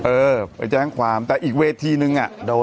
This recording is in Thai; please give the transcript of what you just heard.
เออไปแจ้งความแต่อีกเวทีนึงอ่ะโดน